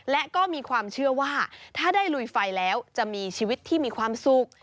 และก็มีความเชื่อว่าถ้าได้ลุยไฟแล้วจะมีชีวิตที่มีความสุข